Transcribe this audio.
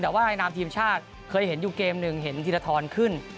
แต่แมโนทีมชาติเคยเห็นอยู่เกมนึงเห็นธีรธรขึ้น